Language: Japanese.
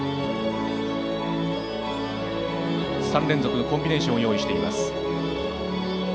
３連続のコンビネーションを用意しています。